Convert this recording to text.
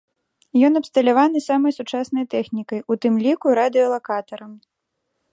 Ён абсталяваны самай сучаснай тэхнікай, у тым ліку радыёлакатарам.